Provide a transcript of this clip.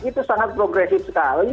itu sangat progresif sekali